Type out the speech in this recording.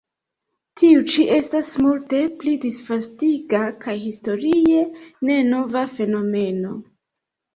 Tiu ĉi estas multe pli disvastigita kaj historie ne nova fenomeno.